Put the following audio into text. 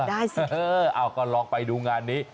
อยากได้สิเอาก็ลองไปดูงานนี้